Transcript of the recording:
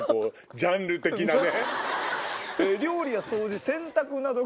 ジャンル的なね。